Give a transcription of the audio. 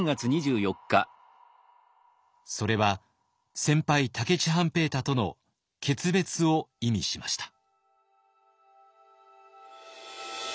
それは先輩武市半平太との決別を意味しました。